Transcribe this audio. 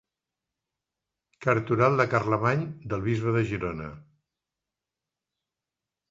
Cartoral de Carlemany del bisbe de Girona.